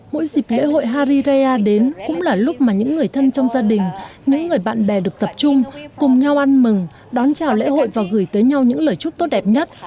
mỗi dịp lễ hội hari raya đến cũng là lúc mà những người thân trong gia đình những người bạn bè được tập trung cùng nhau ăn mừng đón chào lễ hội và gửi tới nhau những lời chúc tốt đẹp nhất